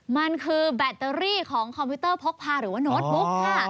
มันคือแบตเตอรี่ของคอมพิวเตอร์พกพาหรือว่าโน้ตบุ๊กค่ะ